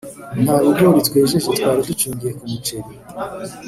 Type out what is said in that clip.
nta bigori twejeje twari ducungiye ku muceri